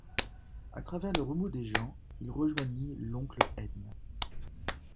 A travers le remous des gens, il rejoignit l'oncle Edme.